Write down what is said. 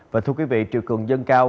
và thưa quý vị triều cường dân cao